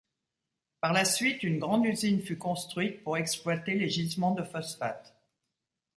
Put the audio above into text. Par la suite, une grande usine fut construite pour exploiter les gisements de phosphate.